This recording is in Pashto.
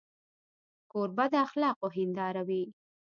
کوربه د اخلاقو هنداره وي.